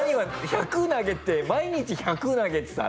１００投げて毎日１００投げてたら。